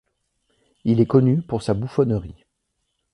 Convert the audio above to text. Il est connu pour sa bouffonnerie.